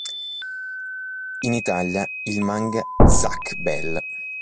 In Italia il manga "Zatch Bell!